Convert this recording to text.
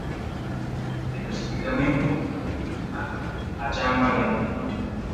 Específicamente, pudo inmovilizar a Jan Valentine.